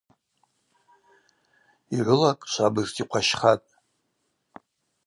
Йгӏвылакӏ швабыжта йхъващхатӏ.